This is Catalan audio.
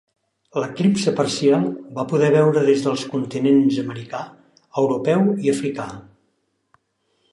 L'eclipsi parcial va poder veure des dels continents americà, europeu i africà.